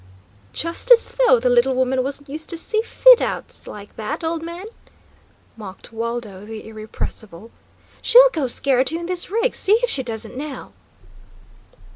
"Just as though the little woman wasn't used to see fit outs like that, old man," mocked Waldo, the irrepressible. "She'll go scare at you in this rig; see if she doesn't, now!"